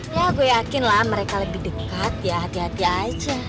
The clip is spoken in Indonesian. ya gue yakin lah mereka lebih dekat ya hati hati aja